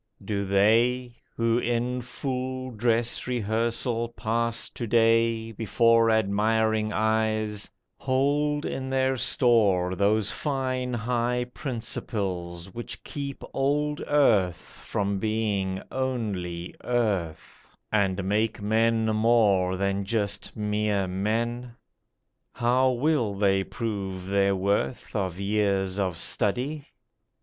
Do they, Who in full dress rehearsal pass to day Before admiring eyes, hold in their store Those fine high principles which keep old Earth From being only earth; and make men more Than just mere men? How will they prove their worth Of years of study?